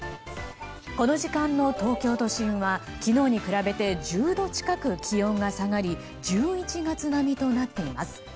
この時間の東京都心は昨日に比べて１０度近く気温が下がり１１月並みとなっています。